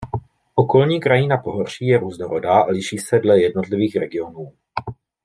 Okolní krajina pohoří je různorodá a liší se dle jednotlivých regionů.